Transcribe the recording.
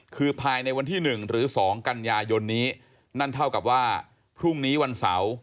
คือภายในวันที่๑หรือ๒กันยายนนี้นั่นเท่ากับว่าพรุ่งนี้วันเสาร์